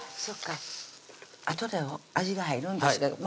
そっかあとで味が入るんですね